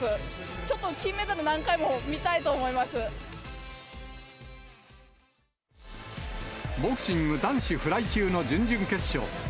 ちょっと金メダル、何回も見たいボクシング男子フライ級の準々決勝。